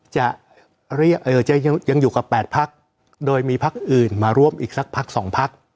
จะเรียกเออจะยังอยู่กับแปดพรรคโดยมีพรรคอื่นมาร่วมอีกสักพรรคสองพรรค